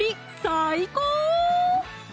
最高！